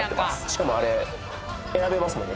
しかもあれ選べますもんね